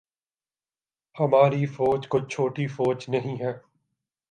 ہماری فوج کوئی چھوٹی فوج نہیں ہے۔